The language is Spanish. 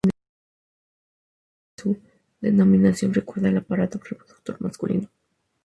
Su fama es mundial debido a que su denominación recuerda al aparato reproductor masculino.